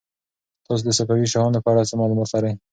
تاسو د صفوي شاهانو په اړه څه معلومات لرئ؟